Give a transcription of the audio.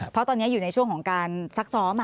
เพราะตอนนี้อยู่ในช่วงของการซักซ้อม